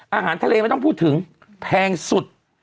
อาหารทะเลไม่ต้องพูดถึงแพงสุด